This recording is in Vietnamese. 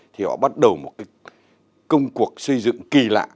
thì họ bắt đầu một cái công cuộc xây dựng kỳ lạ